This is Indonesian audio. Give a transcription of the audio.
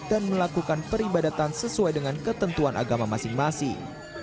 dan melakukan peribadatan sesuai dengan ketentuan agama masing masing